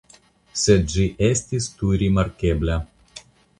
Sed ĝi estis tuj rimarkebla.